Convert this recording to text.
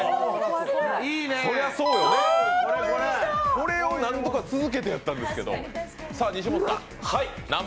これを何とか続けてやったんですけど。